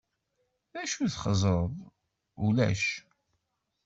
D acu txeẓẓreḍ?" "Ulac.